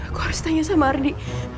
aku harus tanya sama ardi